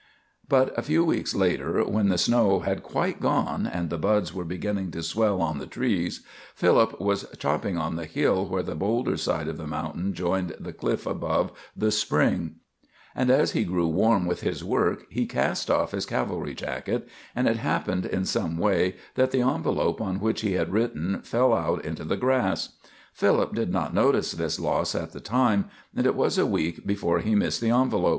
But a few weeks later, when the snow had quite gone and the buds were beginning to swell on the trees, Philip was chopping on the hill where the boulder side of the mountain joined the cliff above the spring; and as he grew warm with his work he cast off his cavalry jacket, and it happened in some way that the envelop on which he had written fell out into the grass. Philip did not notice this loss at the time, and it was a week before he missed the envelop.